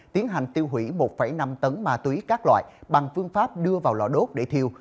tiến hành tiêu hủy một năm tấn ma túy các loại bằng phương pháp đưa vào lò đốt để thiêu